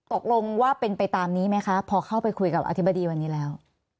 ตกลงว่าเป็นไปตามนี้ไหมคะพอเข้าไปคุยกับอธิบดีวันนี้แล้ว